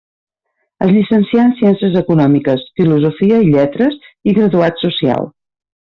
Es llicencià en Ciències Econòmiques, Filosofia i Lletres i Graduat Social.